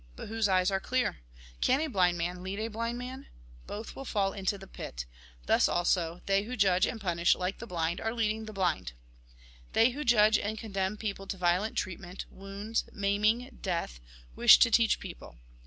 But whose eyes are clear ? Can a blind man lead a blind man ? Both will fall into the pit. Thus, also, they who judge and punish, like the blind, are leading the blind. They who judge and condemn people to violent treatment, wounds, maiming, death, wish to teach people.